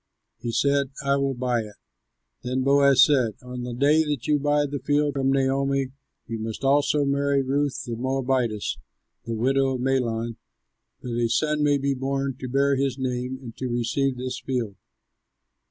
He said, "I will buy it." Then Boaz said, "On the day you buy the field from Naomi, you must also marry Ruth the Moabitess, the widow of Mahlon, that a son may be born to bear his name and to receive this field."